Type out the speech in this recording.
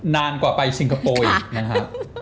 นานกว่าไปซิงคโปร์อีกนะครับ